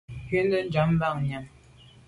Nkù nde njam ba nyàm.